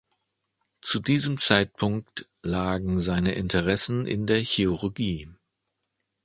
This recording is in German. Zu diesem Zeitpunkt lagen seine Interessen in der Chirurgie.